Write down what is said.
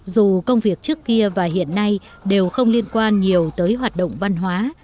dù công việc trước kia và hiện nay đều không liên quan nhiều tới hoạt động văn hóa